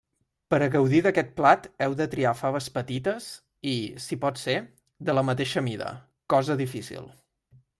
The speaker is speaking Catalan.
Per a gaudir d'aquest plat heu de triar faves petites i, si pot ser, de la mateixa mida, cosa difícil.